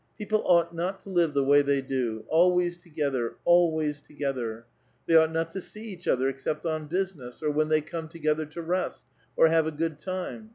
People ought not to live the way they do : always together, always tc^ether ! They ought not to see each otlier except on busi ness, or when they come together to rest or have a good time.